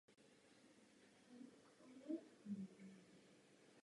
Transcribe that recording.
Ve městě můžeme nalézt továrny na výrobu textilií či mýdla nebo bavlny.